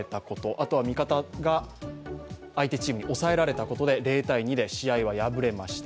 あとは味方が相手チームに抑えられたことで０−２で試合は敗れました。